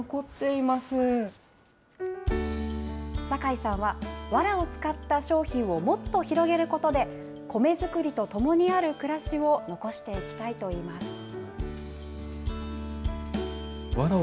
酒井さんは、わらを使った商品をもっと広げることで、米作りと共にある暮らしを残していきたいといいます。